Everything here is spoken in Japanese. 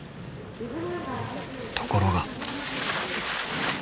ところが。